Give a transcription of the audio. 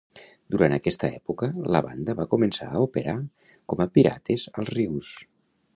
Durant aquesta època, la banda va començar a operar com a pirates als rius.